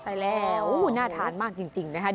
ไปแล้วน่าทานมากจริงนะคะ